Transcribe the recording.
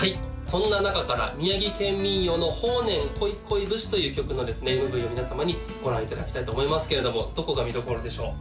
そんな中から宮城県民謡の「豊年こいこい節」という曲のですねＭＶを皆様にご覧いただきたいと思いますけれどもどこが見どころでしょう？